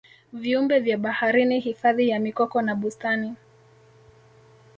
viumbe vya baharini Hifadhi ya mikoko na bustani